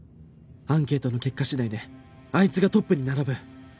アンケートの結果次第であいつがトップに並ぶ